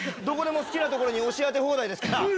どこでも好きな所に押し当て放題です。